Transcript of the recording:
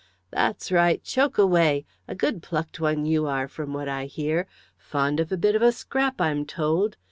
"That's right, choke away! A good plucked one you are, from what I hear. Fond of a bit of a scrap, I'm told.